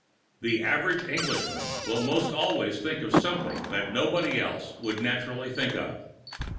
The average Englishman will most always think of something that nobody else would naturally think of.